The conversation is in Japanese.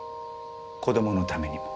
子供のためにも。